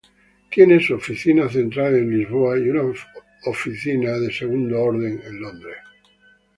Tiene su oficina central en Lisboa y una oficina en Londres.